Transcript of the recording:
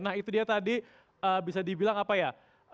nah itu dia tadi bisa dibilang apa ya